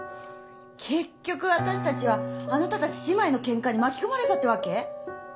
結局私たちはあなたたち姉妹のケンカに巻き込まれたってわけ？